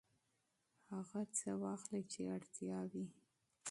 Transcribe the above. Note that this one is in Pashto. هغه څه واخلئ چې اړتیا وي.